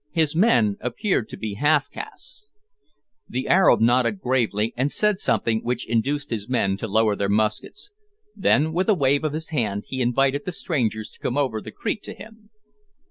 His men appeared to be half castes. The Arab nodded gravely, and said something which induced his men to lower their muskets. Then with a wave of his hand he invited the strangers to come over the creek to him.